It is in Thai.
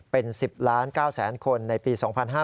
เป็น๑๐๙๐๐๐๐๐คนในปี๒๕๕๘